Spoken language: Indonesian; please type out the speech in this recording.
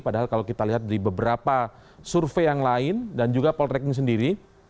padahal kalau kita lihat di beberapa survei yang lain dan juga poltreking sendiri